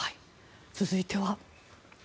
続いては。